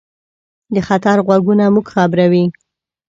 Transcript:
د خطر غږونه موږ خبروي.